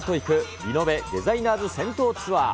リノベ・デザイナーズ銭湯ツアー。